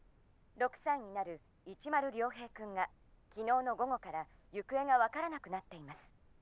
６歳になる市丸遼平くんが昨日の午後から行方が分からなくなっています。